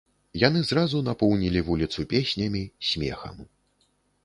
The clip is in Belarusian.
Яны зразу напоўнілі вуліцу песнямі, смехам.